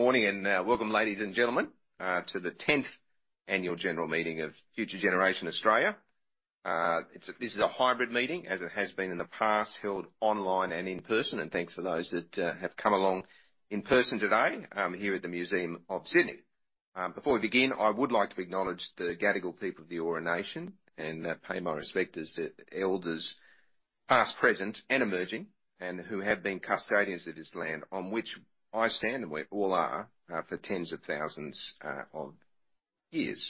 Morning, and, welcome, ladies and gentlemen, to the tenth Annual General Meeting of Future Generation Australia. It's this is a hybrid meeting, as it has been in the past, held online and in person, and thanks to those that have come along in person today, here at the Museum of Sydney. Before we begin, I would like to acknowledge the Gadigal people of the Eora Nation, and pay my respects to elders, past, present, and emerging, and who have been custodians of this land, on which I stand, and we all are, for tens of thousands of years.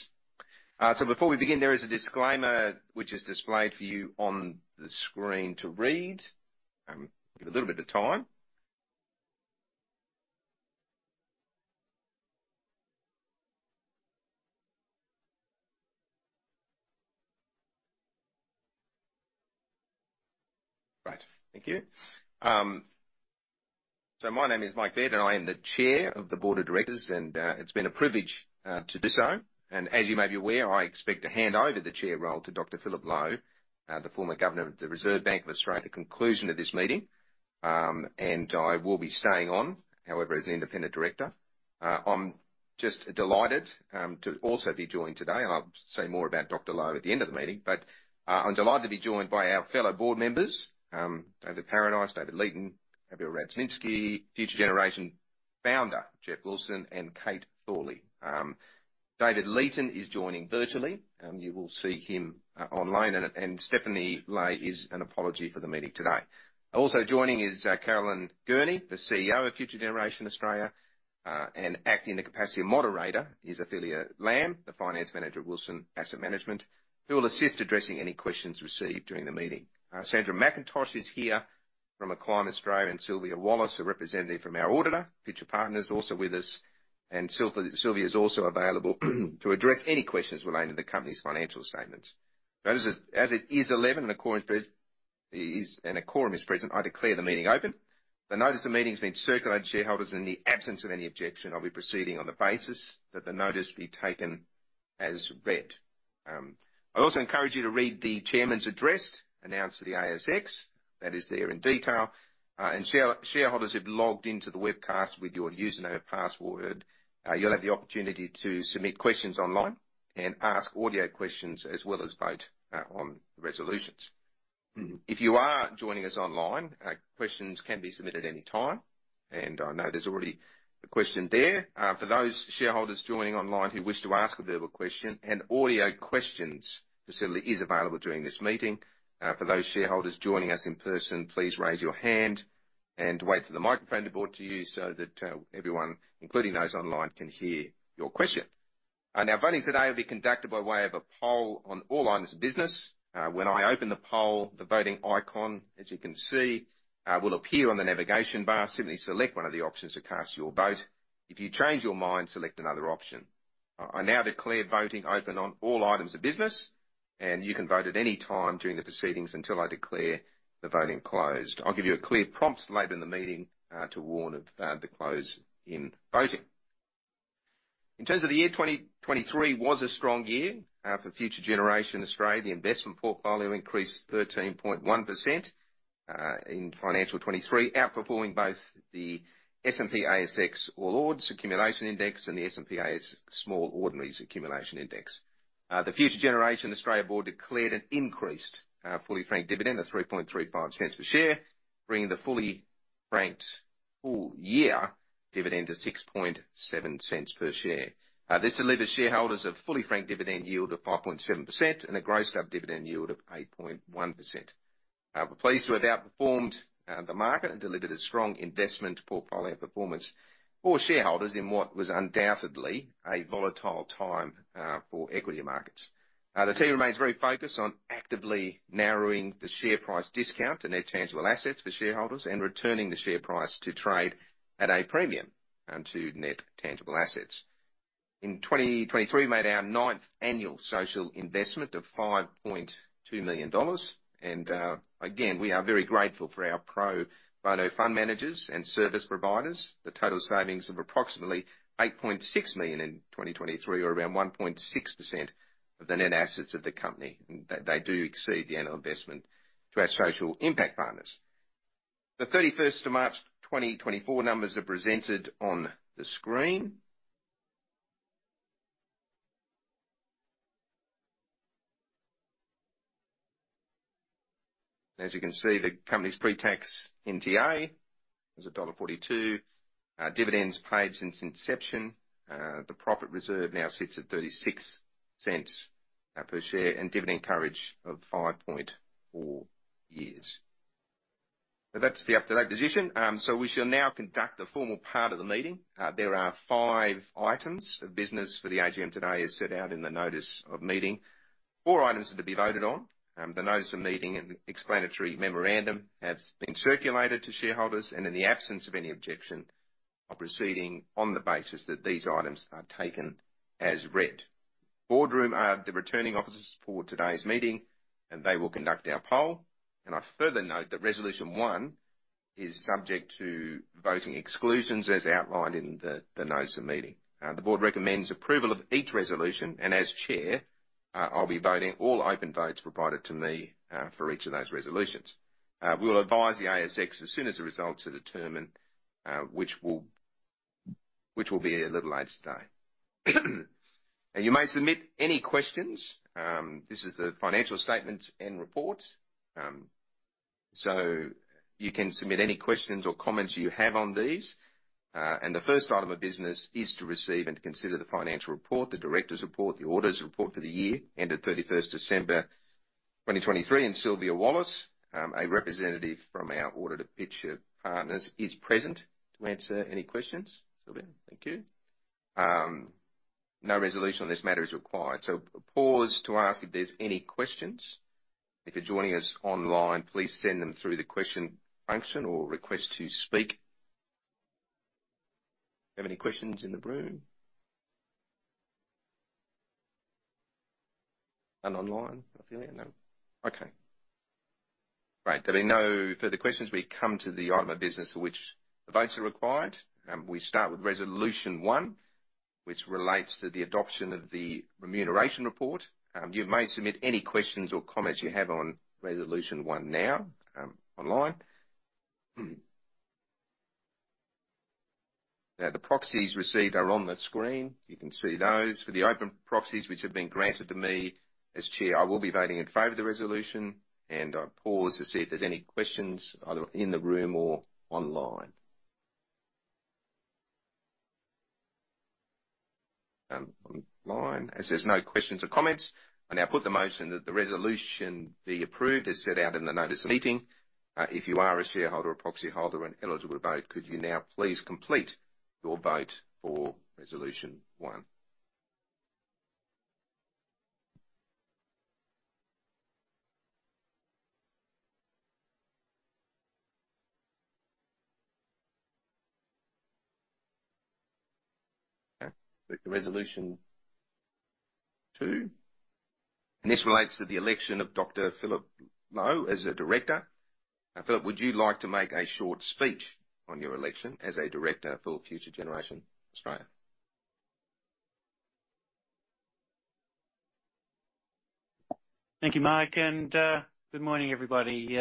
So before we begin, there is a disclaimer which is displayed for you on the screen to read. Give a little bit of time. Right. Thank you. So my name is Mike Baird, and I am the chair of the board of directors, and it's been a privilege to do so. As you may be aware, I expect to hand over the chair role to Dr. Philip Lowe, the former governor of the Reserve Bank of Australia, at the conclusion of this meeting. And I will be staying on, however, as an independent director. I'm just delighted to also be joined today. I'll say more about Dr. Lowe at the end of the meeting, but I'm delighted to be joined by our fellow board members, David Paradice, David Leeton, Gabriel Radzyminski, Future Generation founder, Geoff Wilson, and Kate Thorley. David Leeton is joining virtually, you will see him online, and Stephanie Lai is an apology for the meeting today. Also joining is Caroline Gurney, the CEO of Future Generation Australia, and acting in the capacity of moderator is Ophelia Lam, the finance manager of Wilson Asset Management, who will assist addressing any questions received during the meeting. Sandra McIntosh is here from Acclime Australia, and Sylvia Wallace, a representative from our auditor. Future partner is also with us, and Sylvia, Sylvia is also available to address any questions relating to the company's financial statements. That is, as it is 11, and according to this, a quorum is present, I declare the meeting open. The notice of the meeting's been circulated to shareholders, and in the absence of any objection, I'll be proceeding on the basis that the notice be taken as read. I also encourage you to read the chairman's address, announced to the ASX. That is there in detail. Shareholders who've logged into the webcast with your username and password, you'll have the opportunity to submit questions online and ask audio questions, as well as vote on resolutions. If you are joining us online, questions can be submitted any time, and I know there's already a question there. For those shareholders joining online who wish to ask a verbal question, an audio questions facility is available during this meeting. For those shareholders joining us in person, please raise your hand and wait for the microphone to be brought to you so that everyone, including those online, can hear your question. And our voting today will be conducted by way of a poll on all items of business. When I open the poll, the voting icon, as you can see, will appear on the navigation bar. Simply select one of the options to cast your vote. If you change your mind, select another option. I now declare voting open on all items of business, and you can vote at any time during the proceedings until I declare the voting closed. I'll give you a clear prompt later in the meeting to warn of the close in voting. In terms of the year, 2023 was a strong year for Future Generation Australia. The investment portfolio increased 13.1% in financial 2023, outperforming both the S&P ASX All Ordinaries Accumulation Index and the S&P ASX Small Ordinaries Accumulation Index. The Future Generation Australia board declared an increased fully franked dividend of 0.0335 per share, bringing the fully franked full year dividend to 0.067 per share. This delivered shareholders a fully franked dividend yield of 5.7% and a grossed-up dividend yield of 8.1%. We're pleased to have outperformed the market and delivered a strong investment portfolio performance for shareholders in what was undoubtedly a volatile time for equity markets. The team remains very focused on actively narrowing the share price discount to net tangible assets for shareholders and returning the share price to trade at a premium to net tangible assets. In 2023, we made our ninth annual social investment of $5.2 million. Again, we are very grateful for our pro bono fund managers and service providers. The total savings of approximately 8.6 million in 2023, or around 1.6% of the net assets of the company, and they, they do exceed the annual investment to our social impact partners. The 31st of March, 2024 numbers are presented on the screen. As you can see, the company's pre-tax NTA was dollar 1.42. Dividends paid since inception. The profit reserve now sits at 0.36 per share, and dividend coverage of 5.4 years. So that's the up-to-date position. So we shall now conduct the formal part of the meeting. There are five items of business for the AGM today, as set out in the notice of meeting. Four items are to be voted on. The notice of meeting and the explanatory memorandum have been circulated to shareholders, and in the absence of any objection, are proceeding on the basis that these items are taken as read. Boardroom are the returning officers for today's meeting, and they will conduct our poll. I further note that resolution one is subject to voting exclusions, as outlined in the notice of meeting. The board recommends approval of each resolution, and as chair, I'll be voting all open votes provided to me, for each of those resolutions. We'll advise the ASX as soon as the results are determined, which will be a little later today. You may submit any questions. This is the financial statements and report. So you can submit any questions or comments you have on these. And the first item of business is to receive and consider the financial report, the directors' report, the auditors' report for the year ended 31 December 2023. And Sylvia Wallace, a representative from our audit Pitcher Partners, is present to answer any questions. Sylvia, thank you. No resolution on this matter is required. So pause to ask if there's any questions. If you're joining us online, please send them through the question function or request to speak. Do we have any questions in the room? And online, Ophelia? No. Okay. Right. There being no further questions, we come to the item of business for which the votes are required. We start with resolution 1, which relates to the adoption of the remuneration report. You may submit any questions or comments you have on resolution 1 now, online. Now, the proxies received are on the screen. You can see those. For the open proxies which have been granted to me as chair, I will be voting in favor of the resolution, and I'll pause to see if there's any questions either in the room or online. Online. As there's no questions or comments, I now put the motion that the resolution be approved as set out in the notice of meeting. If you are a shareholder or proxy holder and eligible to vote, could you now please complete your vote for resolution one? Okay. Resolution two, and this relates to the election of Dr. Philip Lowe as a director. Now, Philip, would you like to make a short speech on your election as a director for Future Generation Australia? Thank you, Mike, and good morning, everybody.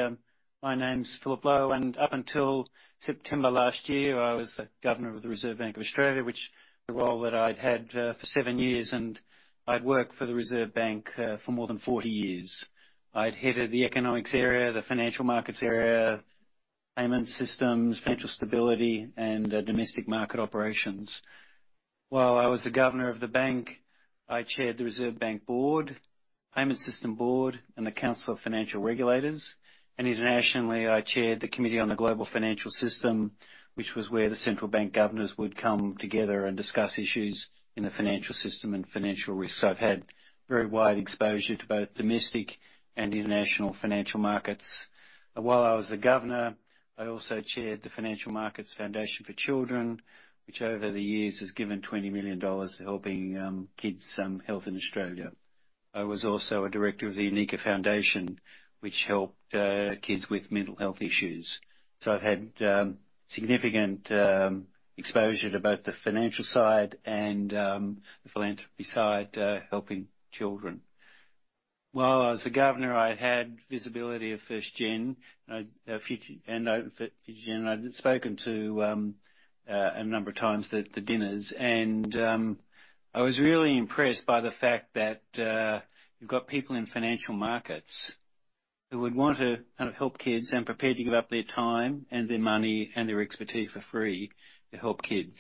My name's Philip Lowe, and up until September last year, I was the Governor of the Reserve Bank of Australia, which the role that I'd had for seven years, and I'd worked for the Reserve Bank for more than 40 years. I'd headed the economics area, the financial markets area, payment systems, financial stability, and domestic market operations. While I was the governor of the bank, I chaired the Reserve Bank Board, Payment System Board, and the Council of Financial Regulators. And internationally, I chaired the Committee on the Global Financial System, which was where the central bank governors would come together and discuss issues in the financial system and financial risks. I've had very wide exposure to both domestic and international financial markets. While I was the governor, I also chaired the Financial Markets Foundation for Children, which over the years has given 20 million dollars to helping kids' health in Australia. I was also a director of the A Foundation, which helped kids with mental health issues. So I've had significant exposure to both the financial side and the philanthropy side helping children. While I was the governor, I had visibility of Future Generation, and I'd spoken to a number of times at the dinners, and I was really impressed by the fact that you've got people in financial markets who would want to kind of help kids and prepare to give up their time and their money and their expertise for free to help kids.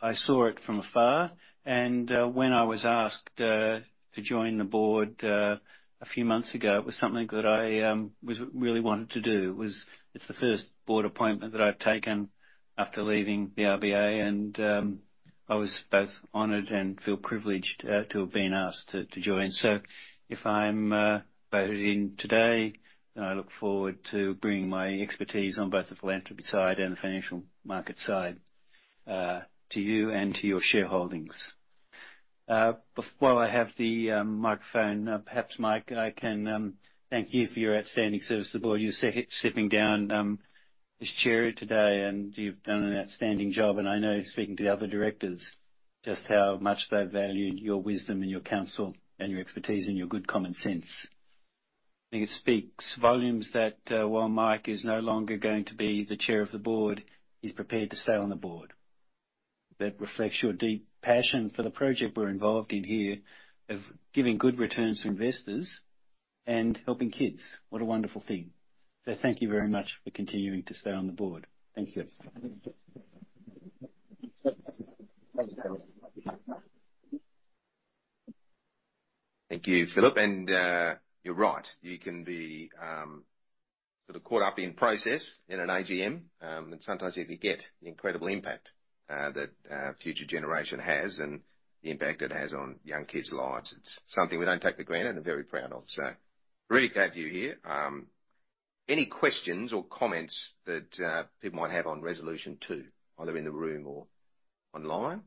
I saw it from afar, and when I was asked to join the board a few months ago, it was something that I really wanted to do. It was... It's the first board appointment that I've taken after leaving the RBA, and I was both honored and feel privileged to have been asked to join. So if I'm voted in today, I look forward to bringing my expertise on both the philanthropy side and the financial market side to you and to your shareholdings. While I have the microphone, perhaps, Mike, I can thank you for your outstanding service to the board. You're sitting down as chair today, and you've done an outstanding job, and I know, speaking to the other directors, just how much they valued your wisdom and your counsel and your expertise and your good common sense. I think it speaks volumes that while Mike is no longer going to be the chair of the board, he's prepared to stay on the board. That reflects your deep passion for the project we're involved in here, of giving good returns to investors and helping kids. What a wonderful thing. So thank you very much for continuing to stay on the board. Thank you. Thank you, Philip. You're right. You can be sort of caught up in process in an AGM, and sometimes you forget the incredible impact that Future Generation has and the impact it has on young kids' lives. It's something we don't take for granted and are very proud of. Really glad to have you here. Any questions or comments that people might have on resolution two, either in the room or online?...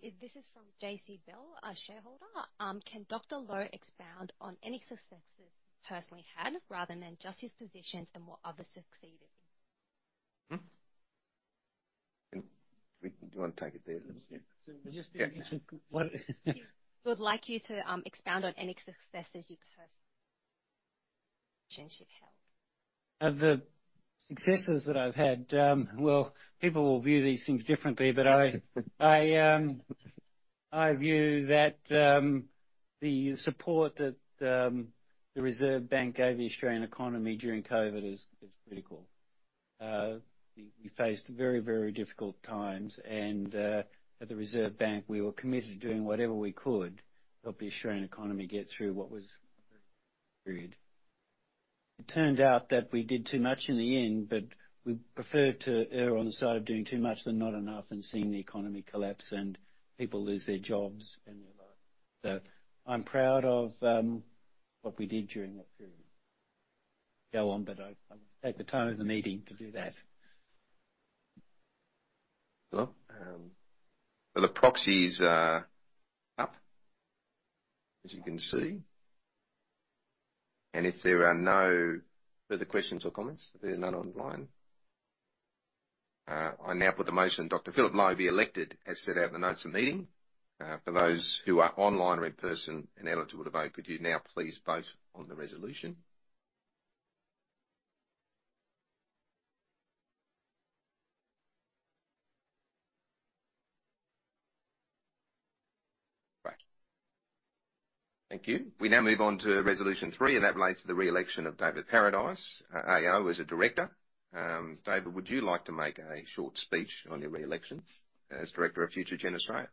Yep. This is from J.C. Bell, a shareholder. Can Dr. Lowe expound on any successes he personally had, rather than just his positions and what others succeeded in? Hmm? Do you want to take it, David? So we just did- Yeah. We would like you to, expound on any successes you personally held. Of the successes that I've had, well, people will view these things differently, but I view that the support that the Reserve Bank gave the Australian economy during COVID is critical. We faced very, very difficult times and at the Reserve Bank, we were committed to doing whatever we could to help the Australian economy get through what was a difficult period. It turned out that we did too much in the end, but we preferred to err on the side of doing too much than not enough, and seeing the economy collapse and people lose their jobs and their lives. So I'm proud of what we did during that period. Go on, but I will take the time of the meeting to do that. Well, well, the proxies are up, as you can see, and if there are no further questions or comments? There are none online. I now put the motion, Dr. Philip Lowe be elected as set out in the notes of meeting. For those who are online or in person and eligible to vote, could you now please vote on the resolution? Right. Thank you. We now move on to resolution three, and that relates to the re-election of David Paradice, AO, as a director. David, would you like to make a short speech on your re-election as director of Future Gen Australia?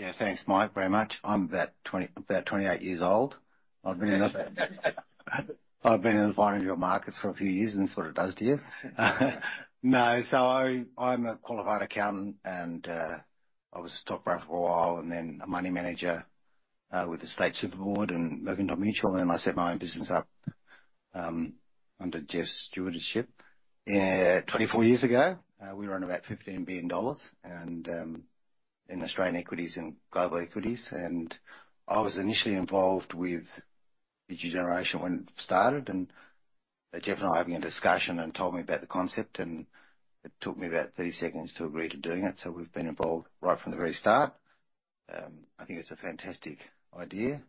Yeah. Thanks, Mike, very much. I'm about 28 years old. I've been in the financial markets for a few years, and this is what it does to you. No. So I'm a qualified accountant, and I was a top rank for a while, and then a money manager with the State Super Board and Mercantile Mutual, and I set my own business up under Geoff's stewardship 24 years ago. We run about 15 billion dollars in Australian equities and global equities. And I was initially involved with Future Generation when it started, and Geoff and I were having a discussion and told me about the concept, and it took me about 30 seconds to agree to doing it. So we've been involved right from the very start. I think it's a fantastic idea.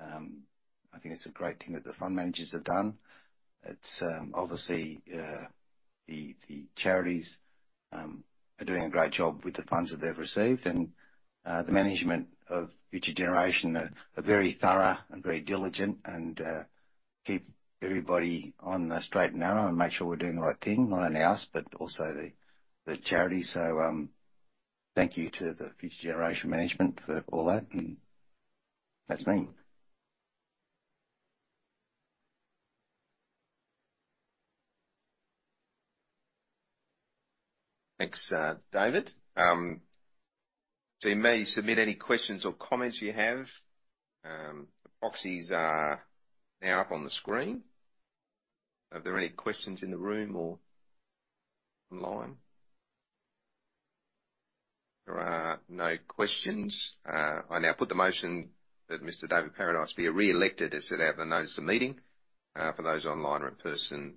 I think it's a great thing that the fund managers have done. It's obviously the charities are doing a great job with the funds that they've received, and the management of Future Generation are very thorough and very diligent and keep everybody on the straight and narrow and make sure we're doing the right thing. Not only us, but also the charity. So, thank you to the Future Generation management for all that. And that's me. Thanks, David. So you may submit any questions or comments you have. The proxies are now up on the screen. Are there any questions in the room or online? There are no questions. I now put the motion that Mr. David Paradice be re-elected, as set out in the notice of the meeting. For those online or in person,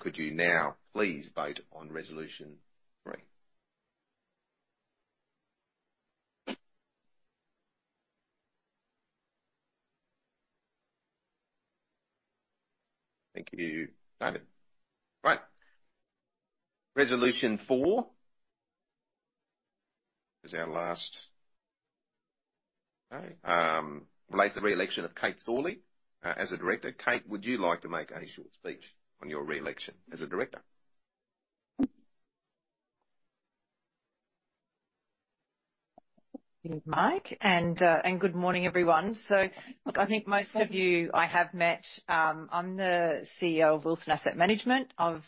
could you now please vote on resolution three? Thank you, David. Right. Resolution four is our last. Okay, relates to the re-election of Kate Thorley, as a director. Kate, would you like to make any short speech on your re-election as a director? Thank you, Mike, and good morning, everyone. So look, I think most of you I have met. I'm the CEO of Wilson Asset Management. I've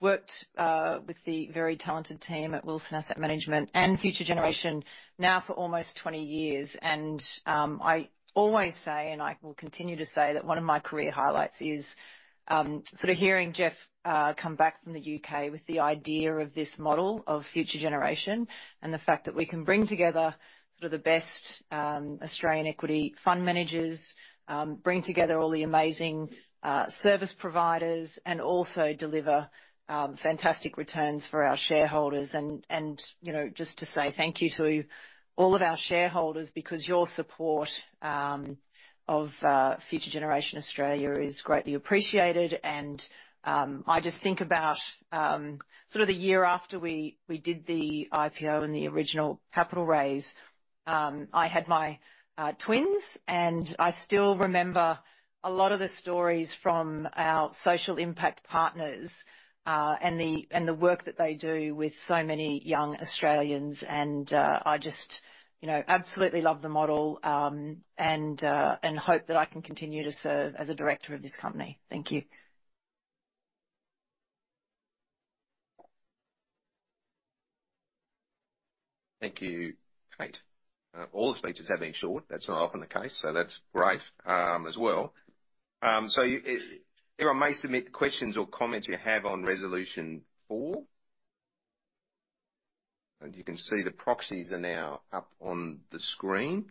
worked with the very talented team at Wilson Asset Management and Future Generation now for almost 20 years. I always say, and I will continue to say, that one of my career highlights is sort of hearing Geoff come back from the UK with the idea of this model of Future Generation. The fact that we can bring together sort of the best Australian equity fund managers, bring together all the amazing service providers, and also deliver fantastic returns for our shareholders. You know, just to say thank you to all of our shareholders, because your support of Future Generation Australia is greatly appreciated. I just think about sort of the year after we did the IPO and the original capital raise. I had my twins, and I still remember a lot of the stories from our social impact partners, and the work that they do with so many young Australians. I just, you know, absolutely love the model, and hope that I can continue to serve as a director of this company. Thank you.... Thank you, Kate. All the speeches have been short. That's not often the case, so that's great, as well. So you, everyone may submit questions or comments you have on Resolution Four. And you can see the proxies are now up on the screen,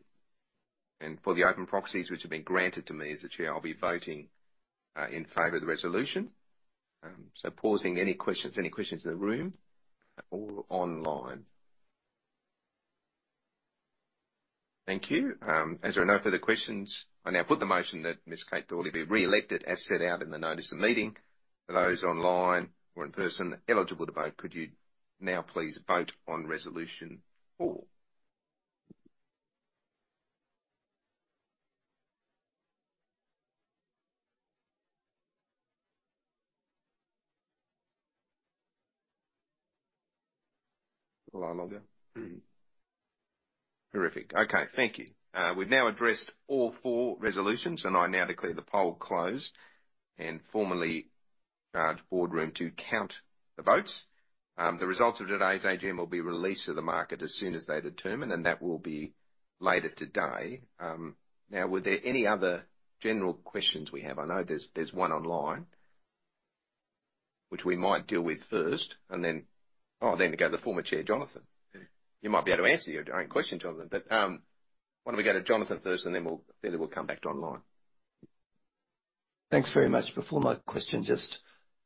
and for the open proxies, which have been granted to me as the chair, I'll be voting, in favor of the resolution. So pausing any questions, any questions in the room or online? Thank you. As there are no further questions, I now put the motion that Ms. Kate Thorley be re-elected, as set out in the notice of the meeting. For those online or in person eligible to vote, could you now please vote on Resolution Four. A lot longer? Terrific. Okay, thank you. We've now addressed all four resolutions, and I now declare the poll closed and formally to the boardroom to count the votes. The results of today's AGM will be released to the market as soon as they're determined, and that will be later today. Now, were there any other general questions we have? I know there's one online, which we might deal with first, and then. Oh, then go to the former chair, Jonathan. You might be able to answer your own question, Jonathan. But, why don't we go to Jonathan first, and then we'll come back to online. Thanks very much. Before my question, just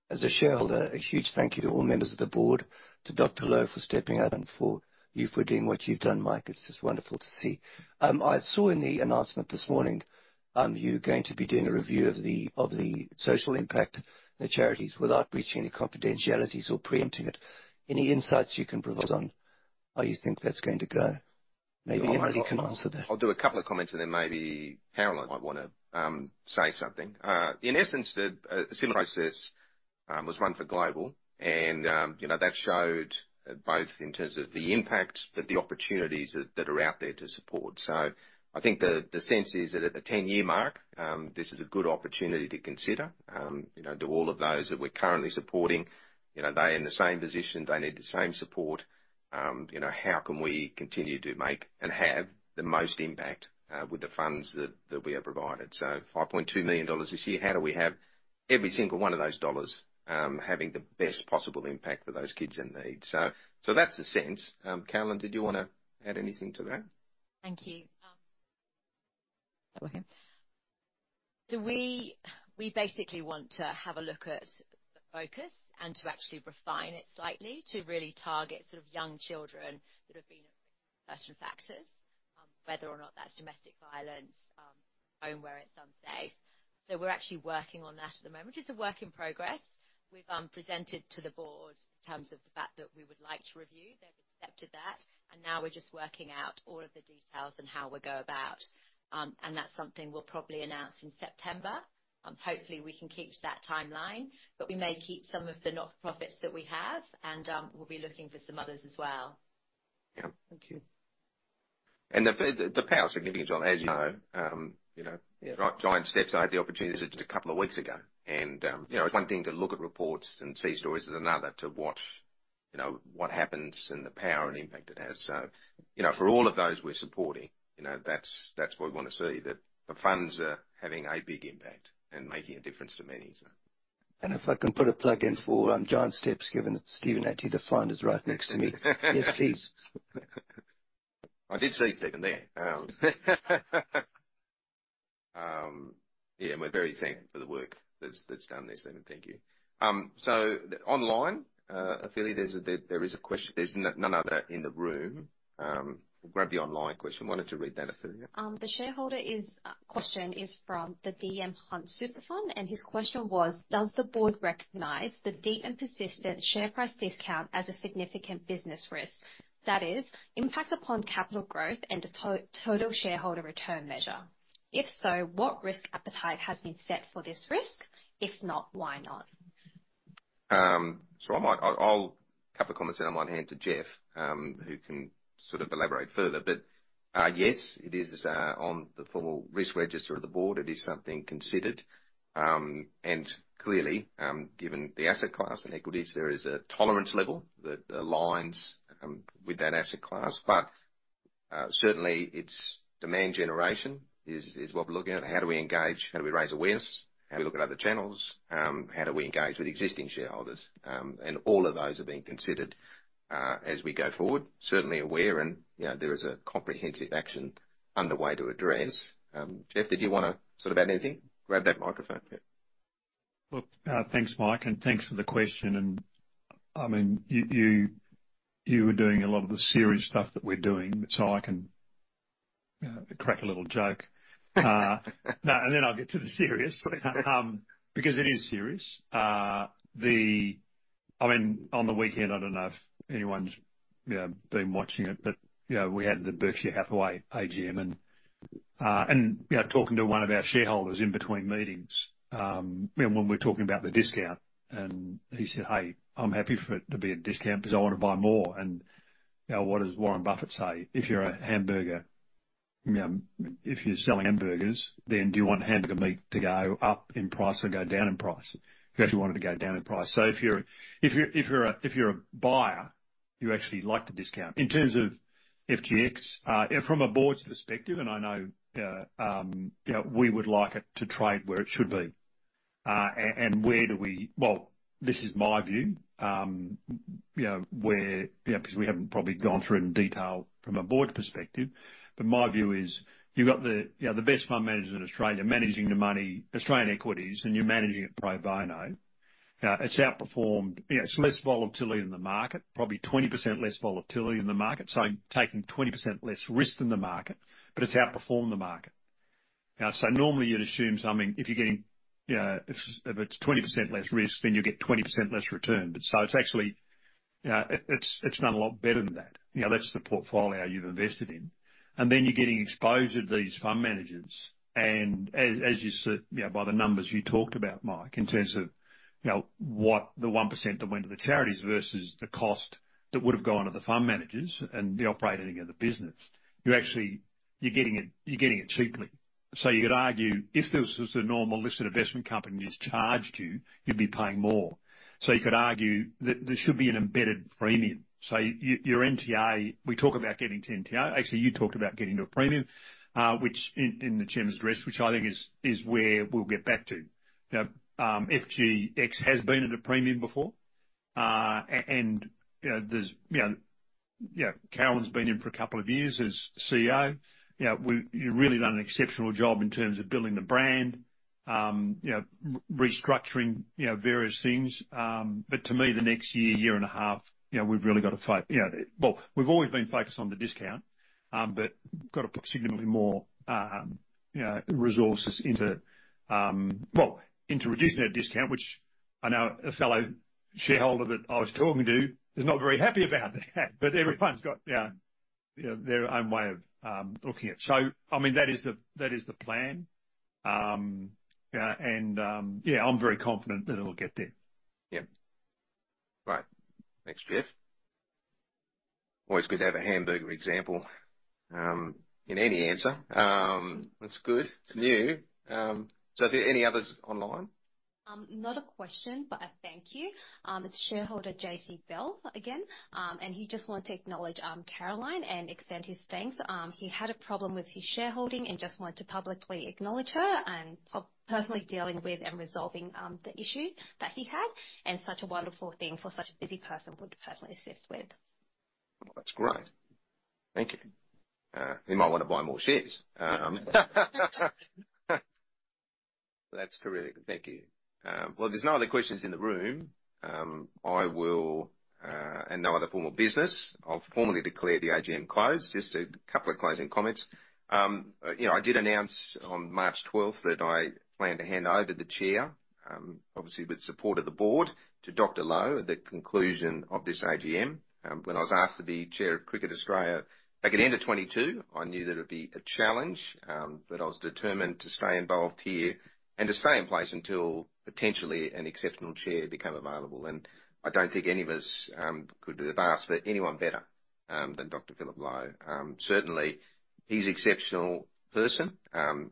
as a shareholder, a huge thank you to all members of the board, to Dr. Lowe, for stepping up, and for you for doing what you've done, Mike. It's just wonderful to see. I saw in the announcement this morning, you're going to be doing a review of the social impact, the charities, without breaching any confidentialities or preempting it. Any insights you can provide on how you think that's going to go? Maybe anybody can answer that. I'll do a couple of comments, and then maybe Caroline might want to say something. In essence, the same process was one for global, and you know, that showed both in terms of the impact, but the opportunities that are out there to support. So I think the sense is that at the ten-year mark, this is a good opportunity to consider, you know, do all of those that we're currently supporting. You know, they're in the same position, they need the same support. You know, how can we continue to make and have the most impact with the funds that we have provided? So 5.2 million dollars this year, how do we have every single one of those dollars having the best possible impact for those kids in need? So that's the sense. Carolyn, did you want to add anything to that? Thank you. So we basically want to have a look at the focus and to actually refine it slightly, to really target sort of young children that have been at risk factors, whether or not that's domestic violence, home where it's unsafe. So we're actually working on that at the moment. It's a work in progress. We've presented to the board in terms of the fact that we would like to review. They've accepted that, and now we're just working out all of the details and how we go about... That's something we'll probably announce in September. Hopefully, we can keep to that timeline, but we may keep some of the not-for-profits that we have, and we'll be looking for some others as well. Yeah. Thank you. The power significance, as you know, you know, Giant Steps. I had the opportunity just a couple of weeks ago, and you know, it's one thing to look at reports and see stories, is another to watch, you know, what happens and the power and impact it has. So, you know, for all of those we're supporting, you know, that's what we want to see, that the funds are having a big impact and making a difference for many, so. If I can put a plug in for Giant Steps, given Stephen Atlee, the founder, is right next to me. Yes, please. I did see Stephen there. Yeah, we're very thankful for the work that's done there, Stephen. Thank you. So online, Ophelia, there's a question. There's none other in the room. Grab the online question. Why don't you read that, Ophelia? The shareholder is, question is from the DM Hunt Super Fund, and his question was: Does the board recognize the deep and persistent share price discount as a significant business risk, that is, impact upon capital growth and the total shareholder return measure? If so, what risk appetite has been set for this risk? If not, why not? So I might, I'll couple comments, and I might hand to Geoff, who can sort of elaborate further. But, yes, it is on the formal risk register of the board. It is something considered. And clearly, given the asset class and equities, there is a tolerance level that aligns with that asset class. But, certainly its demand generation is what we're looking at. How do we engage? How do we raise awareness? How do we look at other channels? How do we engage with existing shareholders? And all of those are being considered as we go forward. Certainly aware and, you know, there is a comprehensive action underway to address. Geoff, did you want to sort of add anything? Grab that microphone. Yeah. Look, thanks, Mike, and thanks for the question. I mean, you were doing a lot of the serious stuff that we're doing, so I can crack a little joke. No, then I'll get to the serious because it is serious. I mean, on the weekend, I don't know if anyone's, you know, been watching it, but, you know, we had the Berkshire Hathaway AGM, and, you know, talking to one of our shareholders in between meetings, and when we're talking about the discount, and he said, "Hey, I'm happy for it to be a discount because I want to buy more." You know, what does Warren Buffett say? "If you're selling hamburgers, then do you want hamburger meat to go up in price or go down in price? You actually want it to go down in price. So if you're a buyer, you actually like the discount. In terms of FGX, from a board's perspective, and I know, you know, we would like it to trade where it should be. And where do we? Well, this is my view, you know, where, you know, because we haven't probably gone through it in detail from a board perspective, but my view is you've got the, you know, the best fund managers in Australia managing the money, Australian equities, and you're managing it pro bono. It's outperformed. You know, it's less volatility than the market, probably 20% less volatility than the market, so taking 20% less risk than the market, but it's outperformed the market. So normally, you'd assume something if you're getting 20% less risk, then you'll get 20% less return. But it's actually done a lot better than that. You know, that's the portfolio you've invested in. And then you're getting exposure to these fund managers, and as you see, you know, by the numbers you talked about, Mike, in terms of, you know, what the 1% that went to the charities versus the cost that would have gone to the fund managers and the operating of the business, you're actually getting it cheaply. So you could argue, if this was a normal listed investment company that's charged you, you'd be paying more. So you could argue that there should be an embedded premium. So your NTA, we talk about getting to NTA. Actually, you talked about getting to a premium, which in the chair's address, which I think is where we'll get back to. Now, FGX has been at a premium before. And, you know, there's, you know, Caroline's been in for a couple of years as CEO. You know, you've really done an exceptional job in terms of building the brand, you know, restructuring, you know, various things. But to me, the next year, year and a half, you know, we've really got to. You know, well, we've always been focused on the discount, but got to put significantly more, you know, resources into... Well, into reducing our discount, which I know a fellow shareholder that I was talking to is not very happy about that. But everyone's got, you know, their own way of looking at it. So, I mean, that is the, that is the plan. Yeah, I'm very confident that it will get there. Yeah. Right. Thanks, Geoff. Always good to have a hamburger example, in any answer. That's good. It's new. So are there any others online? Not a question, but a thank you. It's shareholder J.C. Bell again, and he just wanted to acknowledge Caroline and extend his thanks. He had a problem with his shareholding and just wanted to publicly acknowledge her on personally dealing with and resolving the issue that he had. And such a wonderful thing for such a busy person would personally assist with. Well, that's great. Thank you. He might want to buy more shares. That's great. Thank you. Well, there's no other questions in the room. I will, and no other formal business. I'll formally declare the AGM closed. Just a couple of closing comments. You know, I did announce on March 12 that I plan to hand over the chair, obviously with support of the board, to Dr. Lowe at the conclusion of this AGM. When I was asked to be chair of Cricket Australia back at the end of 2022, I knew that it would be a challenge, but I was determined to stay involved here and to stay in place until potentially an exceptional chair became available. I don't think any of us could have asked for anyone better than Dr. Philip Lowe. Certainly, he's exceptional person.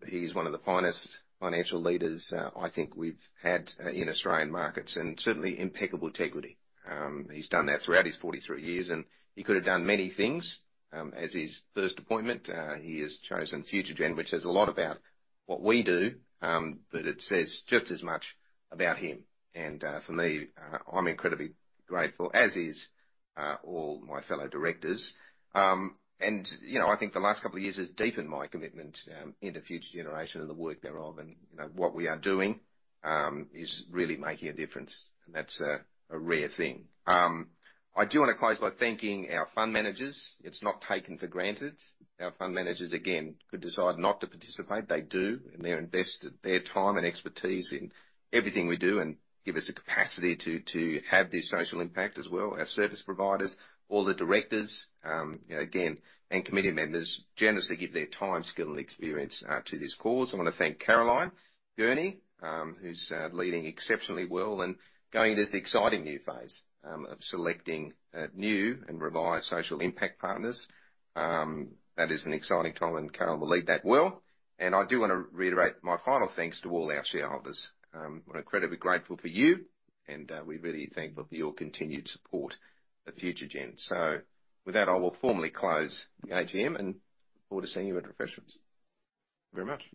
He's one of the finest financial leaders, I think we've had, in Australian markets, and certainly impeccable integrity. He's done that throughout his 43 years, and he could have done many things. As his first appointment, he has chosen Future Gen, which says a lot about what we do, but it says just as much about him. And, for me, I'm incredibly grateful, as is, all my fellow directors. And, you know, I think the last couple of years has deepened my commitment, into Future Generation and the work thereof. And, you know, what we are doing, is really making a difference, and that's a rare thing. I do want to close by thanking our fund managers. It's not taken for granted. Our fund managers, again, could decide not to participate. They do, and they invest their time and expertise in everything we do and give us the capacity to have this social impact as well. Our service providers, all the directors, you know, again, and committee members generously give their time, skill, and experience to this cause. I want to thank Caroline Gurney, who's leading exceptionally well and going into this exciting new phase of selecting new and revised social impact partners. That is an exciting time, and Caroline will lead that well. And I do want to reiterate my final thanks to all our shareholders. We're incredibly grateful for you, and we really thank you for your continued support at Future Gen. So with that, I will formally close the AGM and look forward to seeing you at refreshments. Thank you very much.